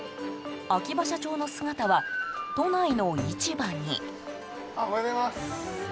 秋葉社長の姿は都内の市場に。